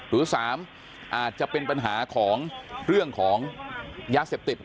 หรือ๓อาจจะเป็นปัญหาของเรื่องของยาเสพติด